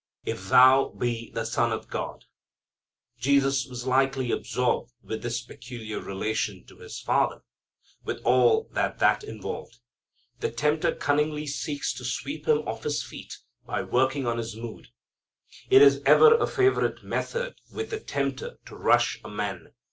"If thou be the Son of God." Jesus was likely absorbed with His peculiar relation to His Father, with all that that involved. The tempter cunningly seeks to sweep Him off of His feet by working on His mood. It is ever a favorite method with the tempter to rush a man.